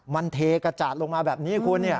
มันเทกระจาดลงมาแบบนี้คุณ